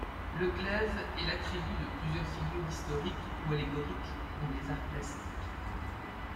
Le glaive est l'attribut de plusieurs figures historiques ou allégoriques dans les arts plastiques.